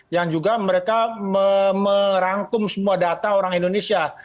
yang juga mereka merangkum semua data orang indonesia